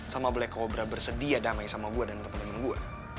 sama black cobra bersedia damai sama gue dan temen temen gue